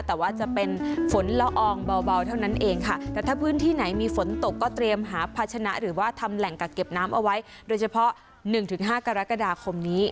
แต่ว่าจะเป็นฝนละอองเบาเท่านั้นเองค่ะแต่ถ้าพื้นที่ไหนมีฝนตกก็เตรียมหาภาชนะหรือว่าทำแหล่งกักเก็บน้ำเอาไว้โดยเฉพาะหนึ่งถึงห้ากรกฎาคมนี้